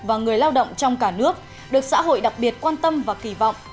và người lao động trong cả nước được xã hội đặc biệt quan tâm và kỳ vọng